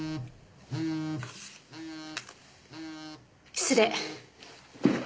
失礼。